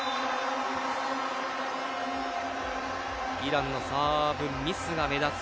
イランのサーブミスが目立つ